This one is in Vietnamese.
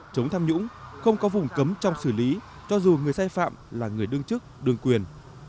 chống tham nhũng không có vùng cấm trong xử lý cho dù người sai phạm là người đương chức đương quyền